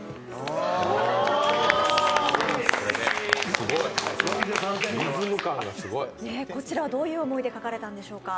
すごい、リズム感がすごいこちらはどういう思いで書かれたんでしょうか。